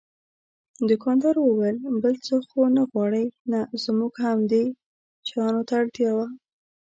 دوکاندارې وویل: بل څه خو نه غواړئ؟ نه، زموږ همدې شیانو ته اړتیا وه.